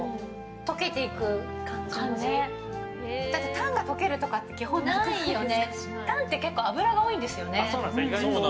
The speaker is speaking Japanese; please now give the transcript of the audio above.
タンが溶けるとか基本ないよね。